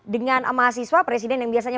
dengan mahasiswa presiden yang biasanya